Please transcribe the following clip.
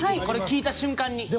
これ聞いた瞬間に。